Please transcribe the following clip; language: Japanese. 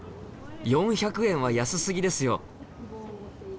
４００円は安すぎですよ！